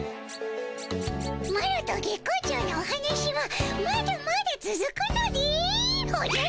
マロと月光町のお話はまだまだつづくのでおじゃる。